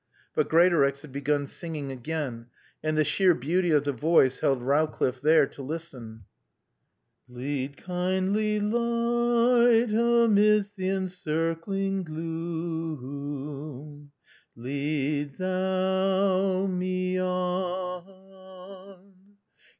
But Greatorex had begun singing again, and the sheer beauty of the voice held Rowcliffe there to listen. "'Lead Kindly Light amidst th' encircling gloo oom, Lead Thou me o on.